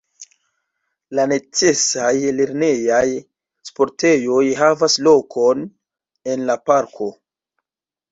La necesaj lernejaj sportejoj havas lokon en la parko.